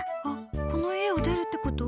この家を出るってこと？